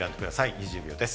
２０秒です。